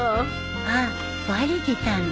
あっバレてたの？